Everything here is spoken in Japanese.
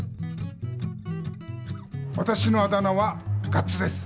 わたしのあだ名は「ガッツ」です。